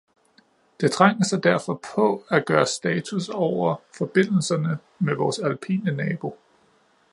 Det trænger sig derfor på at gøre status over forbindelserne med vores alpine nabo.